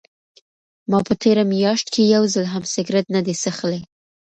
ما په تېره میاشت کې یو ځل هم سګرټ نه دی څښلی.